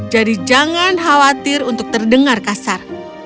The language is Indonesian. jadi jangan khawatir untuk terdengar kasar